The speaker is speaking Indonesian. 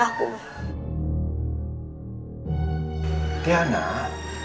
kamu ga ada tuh